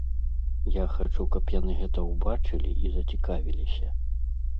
Я хачу, каб яны гэта ўбачылі і зацікавіліся.